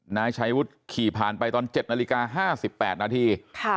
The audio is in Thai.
นายชัยวุฒิขี่ผ่านไปตอน๗นาฬิกา๕๘นาที